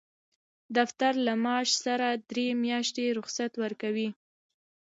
دفتر له معاش سره درې میاشتې رخصت ورکوي.